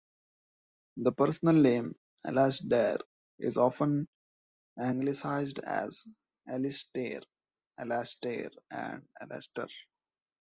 The personal name "Alasdair" is often Anglicised as "Alistair", "Alastair", and "Alaster".